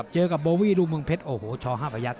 เจอกับโบวี่ลูกเมืองเพชรโอ้โหช๕ประยักษ